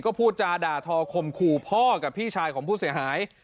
ก็พูดจาด่าทอคมขู่พ่อกับพี่ชายของผู้เสียหาย